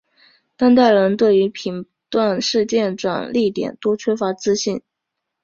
当代人对于评断事件转捩点多缺乏自信。